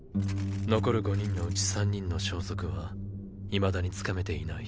残る五人のうち三人の消息はいまだにつかめていない。